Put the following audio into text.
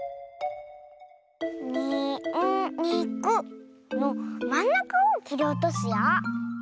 「に・ん・に・く」のまんなかをきりおとすよ。